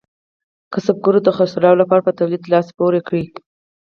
کسبګرو د خرڅلاو لپاره په تولید لاس پورې کړ.